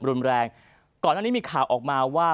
รุนแรงก่อนหน้านี้มีข่าวออกมาว่า